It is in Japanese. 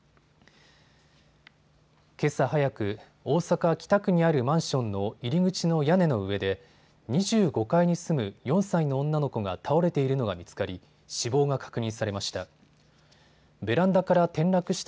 けさ早く、大阪北区にあるマンションの入り口の屋根の上で２５階に住む４歳の女の子が倒れているのが見つかり死亡が確認されました。